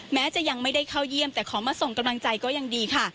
แม้จะยังไม่ได้เข้าเยี่ยมแต่ขอมาส่งกำลังใจก็ยังดีค่ะ